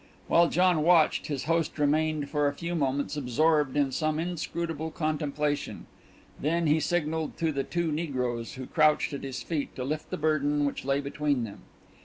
While John watched, his host remained for a few moments absorbed in some inscrutable contemplation; then he signalled to the two negroes who crouched at his feet to lift the burden which lay between them.